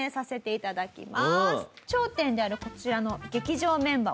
頂点であるこちらの劇場メンバー